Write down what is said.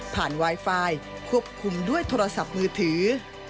ไวไฟควบคุมด้วยโทรศัพท์มือถือ